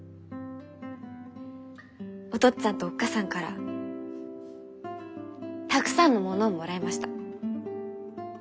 お父っつぁんとおっ母さんからたくさんのものをもらいました。